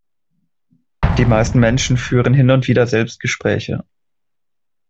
Die meisten Menschen führen hin und wieder Selbstgespräche.